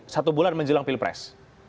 satu bulan menjelang pilpres